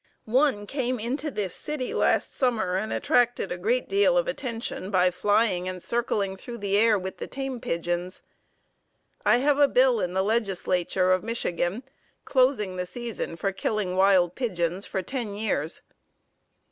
One came into this city last summer and attracted a great deal of attention by flying and circling through the air with the tame pigeons. I have a bill in the Legislature of Michigan, closing the season for killing wild pigeons for ten years."